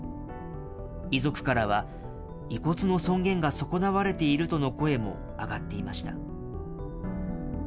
遺族からは、遺骨の尊厳が損なわれているとの声も上がっていました。